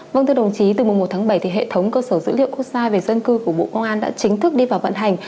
vâng thưa đồng chí từ mùa một tháng bảy thì hệ thống cơ sở dữ liệu quốc gia về dân cư của bộ công an đã chính thức đi vào vận hành